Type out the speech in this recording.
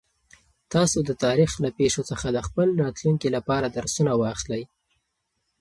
تاسو د تاریخ له پېښو څخه د خپل راتلونکي لپاره درسونه واخلئ.